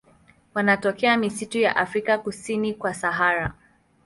Wanatokea misitu ya Afrika kusini kwa Sahara.